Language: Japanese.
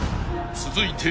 ［続いて］